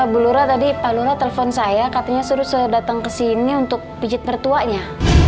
bu lura tadi pak lura telepon saya katanya suruh saya datang ke sini untuk pijit mertuanya